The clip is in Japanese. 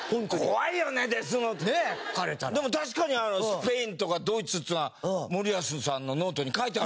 でも確かにスペインとかドイツっていうのは森保さんのノートに書いてある。